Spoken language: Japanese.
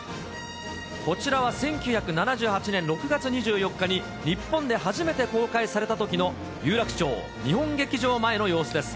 こちらは１９７８年６月２４日に、日本で初めて公開されたときの有楽町、日本劇場前の様子です。